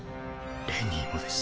レニーもです。